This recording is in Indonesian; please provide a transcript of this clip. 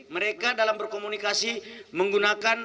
mereka dalam berkomunikasi menggunakan